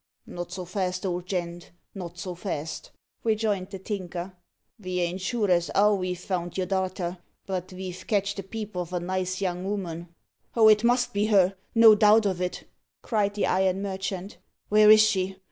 "Not so fast, old gent, not so fast," rejoined the Tinker. "Ve ain't sure as 'ow ve've found your darter, but ve've catched a peep of a nice young 'ooman." "Oh! it must be her no doubt of it," cried the iron merchant. "Where is she?